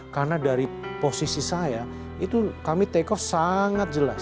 karena dari posisi saya kami take off sangat jelas